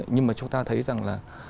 nhưng mà chúng ta thấy rằng là